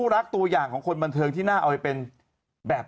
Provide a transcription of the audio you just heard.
แป๊บแป๊บแป๊บ